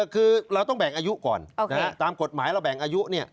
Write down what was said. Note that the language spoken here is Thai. คือเราต้องแบ่งอายุก่อนตามกฎหมายเราแบ่งอายุ